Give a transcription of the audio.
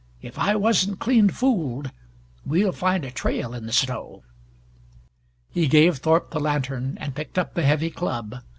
If I wasn't clean fooled, we'll find a trail in the snow." He gave Thorpe the lantern and picked up the heavy club.